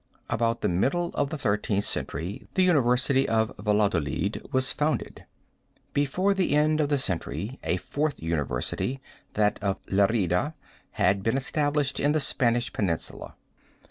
About the middle of the Thirteenth Century the university of Valladolid was founded. Before the end of the century a fourth university, that of Lerida, had been established in the Spanish peninsula.